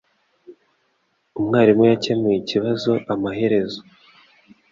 Umwarimu yakemuye ikibazo amaherezo